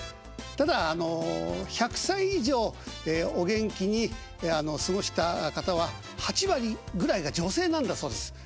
ただあの１００歳以上お元気に過ごした方は８割ぐらいが女性なんだそうです。